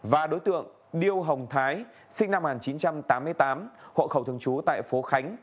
và đối tượng điêu hồng thái sinh năm một nghìn chín trăm tám mươi tám hộ khẩu thường trú tại phố khánh